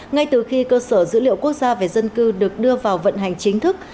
ngay từ khi cơ sở dữ liệu quốc gia về dân cư được đưa vào vận hành chính thức